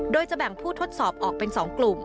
โดยจะแบ่งผู้ทดสอบออกเป็น๒กลุ่ม